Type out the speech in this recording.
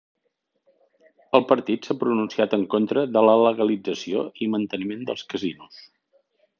El partit s'ha pronunciat en contra de la legalització i manteniment dels casinos.